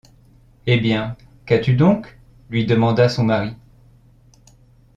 Eh ! bien, qu’as-tu donc ? lui demanda son mari.